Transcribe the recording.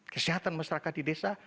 kesehatan masyarakat di desa